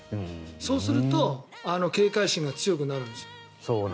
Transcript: そうすると警戒心が強くなるんですよ。